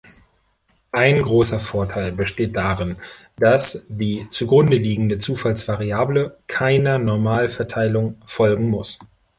Ein großer Vorteil besteht darin, dass die zugrundeliegende Zufallsvariable keiner Normalverteilung folgen muss.